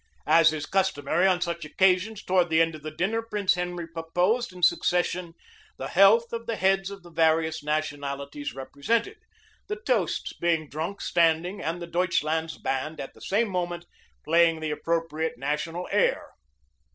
As is customary on such occasions, toward the end of the dinner Prince Henry proposed, in succes sion, the health of the heads of the various nationali ties represented, the toasts being drunk standing and COMMAND OF ASIATIC SQUADRON 183 the Deutschland's band at the same moment playing the appropriate national air.